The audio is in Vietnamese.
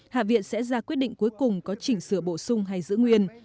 hạ viện sẽ ra quyết định cuối cùng có chỉnh sửa bổ sung hay giữ nguyên